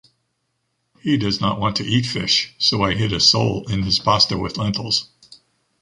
He does not want to eat fish, so I hid a sole in his pasta with lentils.